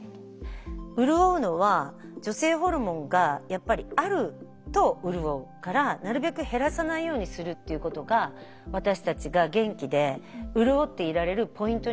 潤うのは女性ホルモンがやっぱりあると潤うからなるべく減らさないようにするっていうことが私たちが元気で潤っていられるポイントになると思うの。